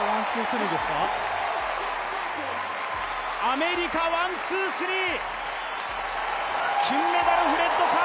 アメリカ、ワン・ツー・スリーですか？